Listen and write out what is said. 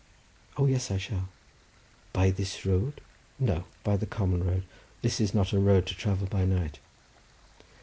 "O yes, I shall!" "By this road?" "No, by the common road. This is not a road to travel by night."